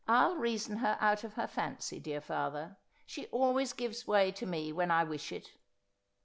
I'll reason her out of her fancy, dear father. She always gives way to me when I wish it.'